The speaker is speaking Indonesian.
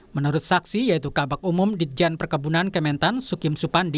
menurut saksi yaitu kabak umum ditjen perkebunan kementan sukim supandi